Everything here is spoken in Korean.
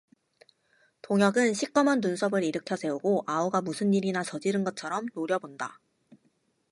동혁은 시꺼먼 눈썹을 일으켜 세우고 아우가 무슨 일이나 저지른 것처럼 노려본다.